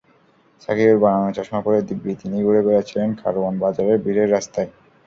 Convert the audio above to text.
সাকিবের বানানো চশমা পরে দিব্যি তিনি ঘুরে বেড়াচ্ছিলেন কারওয়ান বাজারের ভিড়ের রাস্তায়।